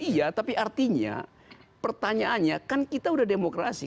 iya tapi artinya pertanyaannya kan kita udah demokrasi